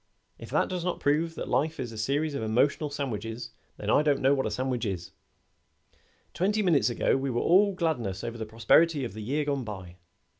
If that does not prove life a series of emotional sandwiches, then I don't know what a sandwich is. Twenty minutes ago we were all gladness over the prosperity of the year gone by.